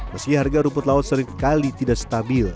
meski harga rumput laut seringkali tidak stabil